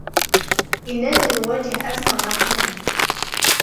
إننا نواجه أزمة ضخمة.